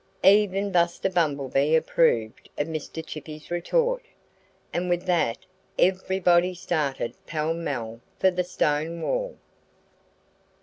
Even Buster Bumblebee approved of Mr. Chippy's retort. And with that everybody started pell mell for the stone wall.